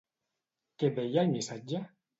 Què deia el missatge?